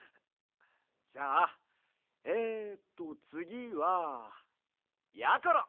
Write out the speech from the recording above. じゃあえっとつぎはやころ！